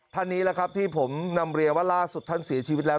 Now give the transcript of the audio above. ท่านนี้ล่ะครับที่ผมนำเรียงว่าล่สุทธิ์ทั้งสีชีวิตแล้ว